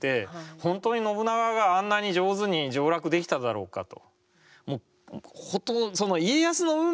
本当に信長があんなに上手に上洛できただろうかと。